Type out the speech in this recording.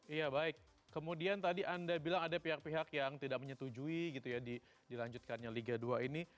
iya baik kemudian tadi anda bilang ada pihak pihak yang tidak menyetujui gitu ya di dilanjutkannya liga dua ini